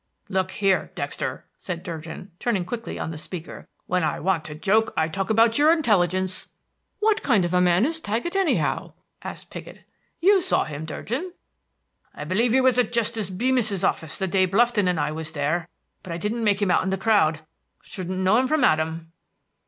"Look here, Dexter," said Durgin, turning quickly on the speaker, "when I want to joke, I talk about your intelligence." "What kind of man is Taggett, anyhow?" asked Piggott. "You saw him, Durgin." "I believe he was at Justice Beemis's office the day Blufton and I was there; but I didn't make him out in the crowd. Shouldn't know him from Adam."